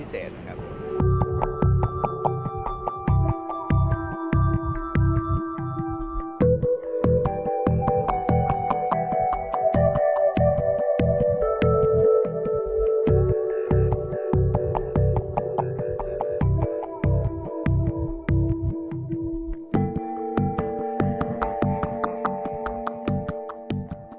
มันเป็นแบบที่สุดท้ายแต่มันเป็นแบบที่สุดท้าย